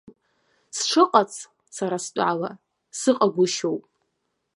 Сшыҟац, сара стәала, сыҟагәышьоуп.